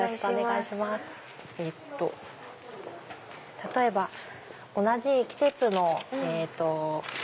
例えば同じ季節のえっと。